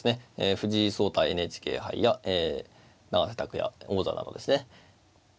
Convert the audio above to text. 藤井聡太ＮＨＫ杯や永瀬拓矢王座などですねええ